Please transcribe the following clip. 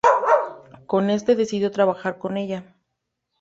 Con eso decidió trabajar con ella.